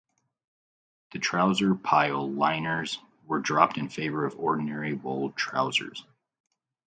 The trouser pile liners were dropped in favor of ordinary wool trousers.